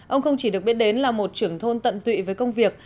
ông không chỉ được biết đến là một trưởng thôn tận tụy với công việc